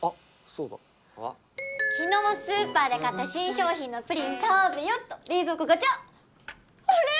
そうだ昨日スーパーで買った新商品のプリン食べよっと冷蔵庫ガチャあれ？